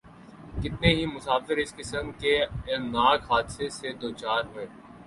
کتنے ہی مسافر اس قسم کے الم ناک حادثے سے دوچار ھوۓ